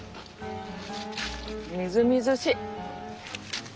みずみずしい！